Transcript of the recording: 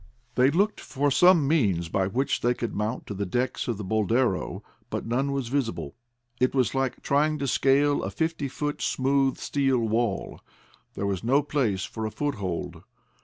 They looked for some means by which they could mount to the decks of the Boldero, but none was visible. It was like trying to scale a fifty foot smooth steel wall. There was no place for a foothold.